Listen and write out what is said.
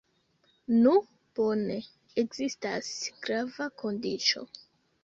Nu, bone, ekzistas grava kondiĉo.